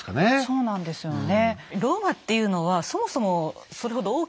そうなんですよね。